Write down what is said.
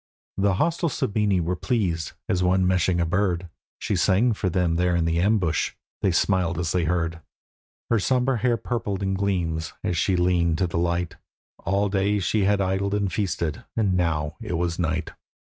The hostile Sabini were pleased, as one meshing a bird; She sang for them there in the ambush: they smiled as they heard. Her sombre hair purpled in gleams, as she leaned to the light; All day she had idled and feasted, and now it was night.